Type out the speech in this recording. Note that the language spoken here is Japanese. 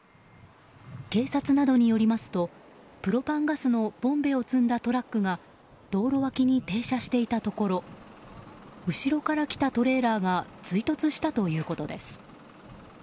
警察などによりますとプロパンガスのボンベを積んだトラックが道路脇に停車していたところ後ろから来たトレーラーが追突したということです。